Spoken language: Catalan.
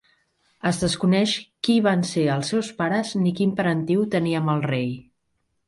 Es desconeix qui van ser els seus pares ni quin parentiu tenia amb el rei.